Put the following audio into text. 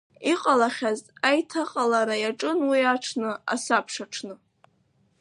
Иҟалахьаз аиҭаҟалара иаҿын уи аҽны, асабшаҽны.